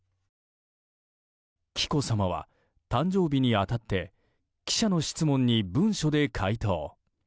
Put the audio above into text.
紀子さまは誕生日に当たって記者の質問に文書で回答。